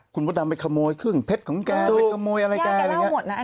คุณมดดำไปขโมยเครื่องเพชรของแกไปขโมยอะไรแก